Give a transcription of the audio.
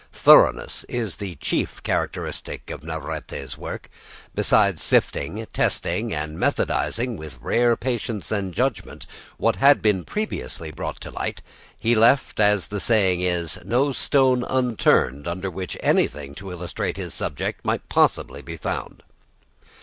Thoroughness is the chief characteristic of Navarrete's work. Besides sifting, testing, and methodising with rare patience and judgment what had been previously brought to light, he left, as the saying is, no stone unturned under which anything to illustrate his subject might possibly be found.